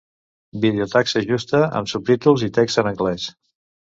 Vídeo Taxa justa amb subtítols i text en anglès.